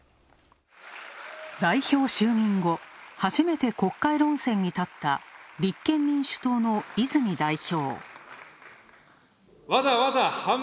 代表就任後、初めて国会論戦にたった立憲民主党の泉代表。